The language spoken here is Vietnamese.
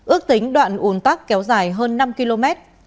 ước tính đoạn ủn tắc kéo dài hơn năm km